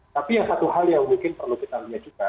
tapi yang satu hal yang mungkin perlu kita lihat juga